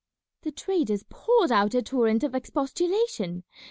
The traders poured out a torrent of expostulation.